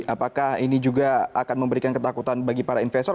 apakah ini juga akan memberikan ketakutan bagi para investor